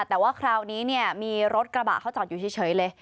แต่ว่าคราวนี้เนี่ยมีรถกระบะเขาจอดอยู่เฉยเลย